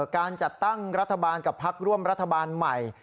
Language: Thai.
การจัดตั้งรัฐบาลกับพักร่วมรัฐบาลใหม่